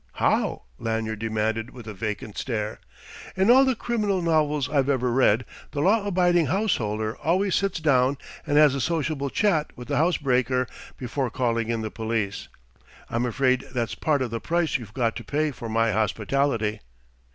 "How?" Lanyard demanded with a vacant stare. "In all the criminal novels I've ever read, the law abiding householder always sits down and has a sociable chat with the house breaker before calling in the police. I'm afraid that's part of the price you've got to pay for my hospitality."